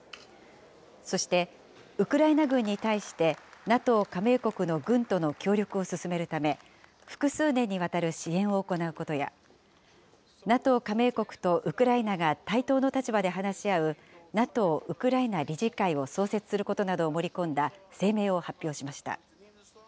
そして、ウクライナ軍に対してＮＡＴＯ加盟国の軍との協力を進めるため、複数年にわたる支援を行うことや、ＮＡＴＯ加盟国とウクライナが対等の立場で話し合うＮＡＴＯウクライナ理事会を創設することなどを盛り込んだ声明を発表しました。